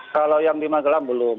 kalau yang di magelang belum